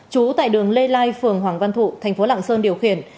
trú tại đường lê lai phường hoàng văn thụ thành phố lạng sơn điều khiển